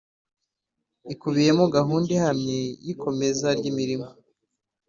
ikubiyemo gahunda ihamye y ikomeza ry imirimo